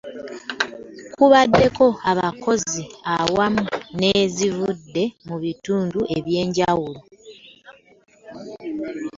Kubaddeko abakozi awamu n'ezivudde mu bitundu eby'enjawulo.